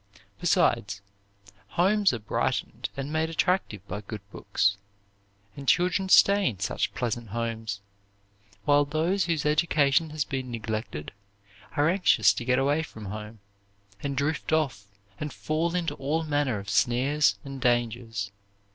Besides, homes are brightened and made attractive by good books, and children stay in such pleasant homes; while those whose education has been neglected are anxious to get away from home, and drift off and fall into all manner of snares and dangers.